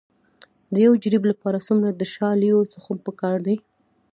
د یو جریب لپاره څومره د شالیو تخم پکار دی؟